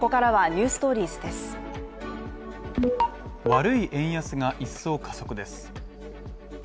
悪い円安が一層加速です。